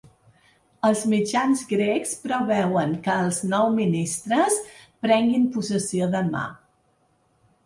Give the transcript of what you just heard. Els mitjans grecs preveuen que els nou ministres prenguin possessió demà.